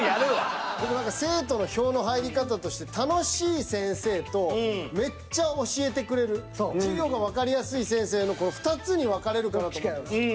生徒の票の入り方として楽しい先生とめっちゃ教えてくれる授業がわかりやすい先生の２つに分かれるかなと思ってるんです。